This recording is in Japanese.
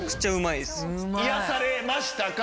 癒やされましたか？